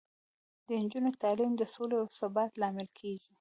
د نجونو تعلیم د سولې او ثبات لامل کیږي.